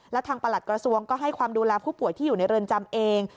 และทางประหลัดกระทรวงก็ให้ความดูแลผู้ป่วยที่อยู่ในเรือนจำเอง